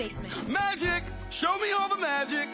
マジック！